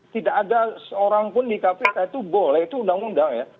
tidak ada seorang pun di kpk itu boleh itu undang undang ya